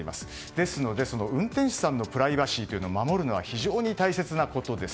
ですので、運転手さんのプライバシーを守るのは非常に大切なことです。